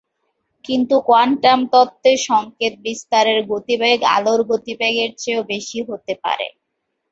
কিন্তু কোয়ান্টাম তত্ত্বে সংকেত বিস্তারের গতিবেগ আলোর গতিবেগের চেয়েও বেশি হতে পারে।